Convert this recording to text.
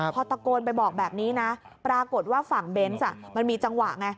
พอตะโกนไปบอกแบบนี้นะปรากฏว่าฝั่งเบนส์มันมีจังหวะไง